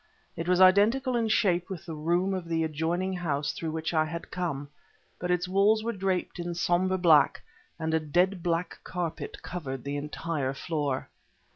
It was identical in shape with the room of the adjoining house through which I had come, but its walls were draped in somber black and a dead black carpet covered the entire floor.